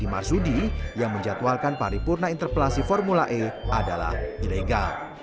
itu amanat dari pasal delapan puluh dua s tiga serta kecil kita